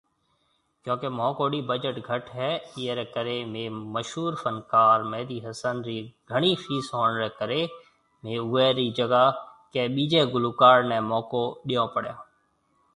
ڪيونڪي مونهه ڪڍي بجٽ گھٽ هي ايئي ري ڪري ميهه مشهور فنڪار مهندي حسن رِي گھڻي فيس هوئڻ ري ڪري ميهه اوئي ري جگه ڪي ٻيجي گلوڪار ني موقعو ڏيون پڙيا۔